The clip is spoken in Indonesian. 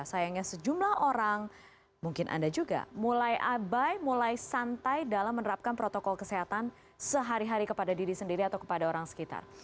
sayangnya sejumlah orang mungkin anda juga mulai abai mulai santai dalam menerapkan protokol kesehatan sehari hari kepada diri sendiri atau kepada orang sekitar